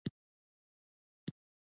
په ښاري سیمو کې عامه ودانۍ موجودې وې.